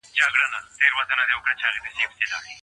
د کندهار خلګو د بریا لمانځنه څنګه وکړه؟